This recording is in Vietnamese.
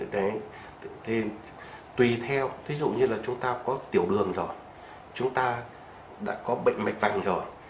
tùy theo ví dụ như là chúng ta có tiểu đường rồi chúng ta đã có bệnh mạch vành rồi